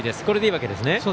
これでいいわけですね。